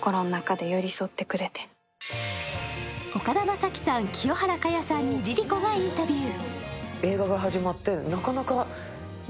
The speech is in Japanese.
岡田将生さん、清原果耶さんにＬｉＬｉＣｏがインタビュー。